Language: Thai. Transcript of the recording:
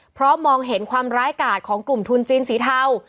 เพราะมองเห็นความร้ายกาดของกลุ่มทุนจีนสีเทา